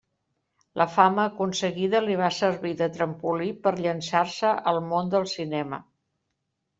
La fama aconseguida li va servir de trampolí per llançar-se al món del cinema.